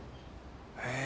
へえ。